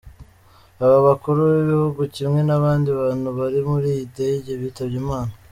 Aba bakuru b’ibihugu kimwe n’abandi bantu bari muri iyi ndege bitabye Imana.